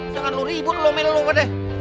jangan lu ribut lu main main dulu deh